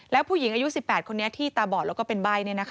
แล้วผู้หญิงอายุ๑๘คนนี้ที่ตาบอดแล้วก็เป็นใบ้